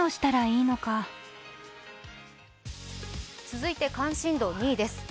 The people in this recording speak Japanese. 続いて関心度２位です。